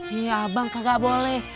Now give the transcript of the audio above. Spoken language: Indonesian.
ya abang tidak boleh